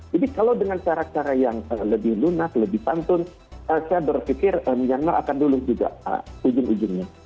jadi kalau dengan cara cara yang lebih lunak lebih pantun saya berpikir myanmar akan lulus juga ujung ujungnya